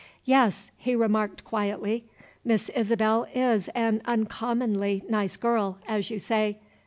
"Yes," he remarked quietly, "Miss Isabel is an uncommonly nice girl, as you say.